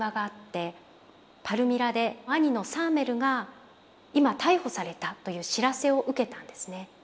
パルミラで兄のサーメルが今逮捕されたという知らせを受けたんですね。